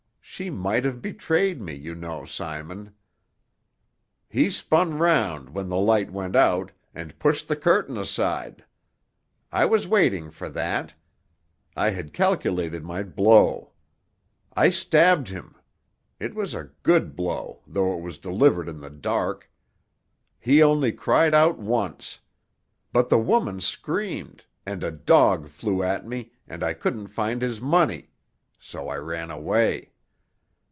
She might have betrayed me, you know, Simon. "He spun round when the light went out, and pushed the curtain aside. I was waiting for that. I had calculated my blow. I stabbed him. It was a good blow, though it was delivered in the dark. He only cried out once. But the woman screamed, and a dog flew at me, and I couldn't find his money. So I ran away.